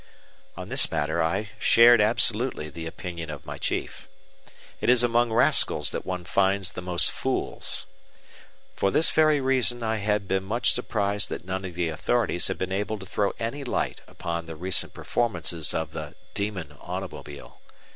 On this matter I shared absolutely the opinion of my chief. It is among rascals that one finds the most fools. For this very reason I had been much surprised that none of the authorities had been able to throw any light upon the recent performances of the "demon automobile."